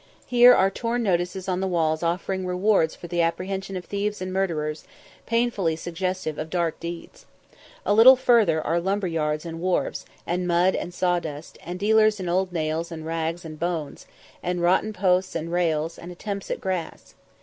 Here are torn notices on the walls offering rewards for the apprehension of thieves and murderers, painfully suggestive of dark deeds. A little further are lumber yards and wharfs, and mud and sawdust, and dealers in old nails and rags and bones, and rotten posts and rails, and attempts at grass.